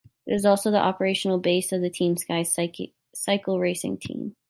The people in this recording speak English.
It is also the operational base of the Team Sky cycle racing team.